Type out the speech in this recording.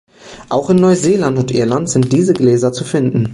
Auch in Neuseeland und Irland sind diese Gläser zu finden.